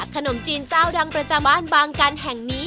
ขนมจีนเจ้าดังประจำบ้านบางกันแห่งนี้